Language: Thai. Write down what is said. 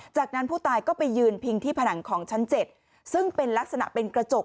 จากนั้นผู้ตายก็ไปยืนพิงที่ผนังของชั้น๗ซึ่งเป็นลักษณะเป็นกระจก